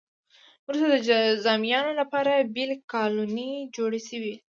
وروسته د جذامیانو لپاره بېلې کالونۍ جوړې شوې.